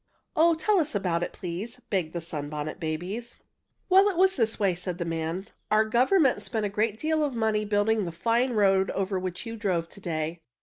"Oh, tell us about it, please!" begged the Sunbonnet Babies. "Well, it was this way," said the man. "Our government spent a great deal of money building the fine road over which you drove to day.